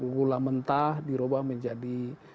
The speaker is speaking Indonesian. gula mentah diubah menjadi